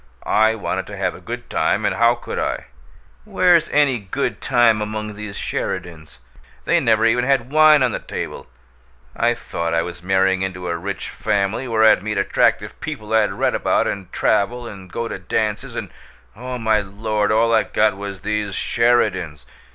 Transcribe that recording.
I wanted to have a good time and how could I? Where's any good time among these Sheridans? They never even had wine on the table! I thought I was marrying into a rich family where I'd meet attractive people I'd read about, and travel, and go to dances and, oh, my Lord! all I got was these Sheridans!